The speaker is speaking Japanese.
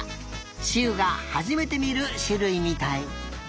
しうがはじめてみるしゅるいみたい。